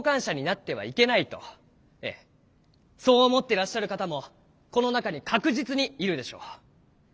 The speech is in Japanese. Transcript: ええそう思ってらっしゃる方もこの中に確実にいるでしょう。